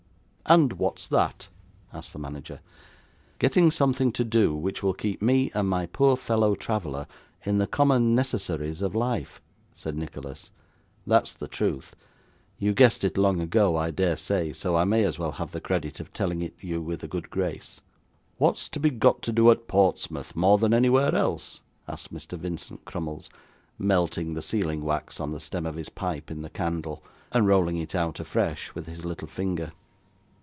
'And what's that?' asked the manager. 'Getting something to do which will keep me and my poor fellow traveller in the common necessaries of life,' said Nicholas. 'That's the truth. You guessed it long ago, I dare say, so I may as well have the credit of telling it you with a good grace.' 'What's to be got to do at Portsmouth more than anywhere else?' asked Mr Vincent Crummles, melting the sealing wax on the stem of his pipe in the candle, and rolling it out afresh with his little finger.